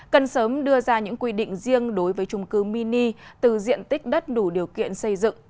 cần sớm đưa ra những quy định riêng đối với trung cư mini từ diện tích đất đủ điều kiện xây dựng